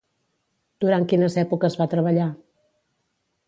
Durant quines èpoques va treballar?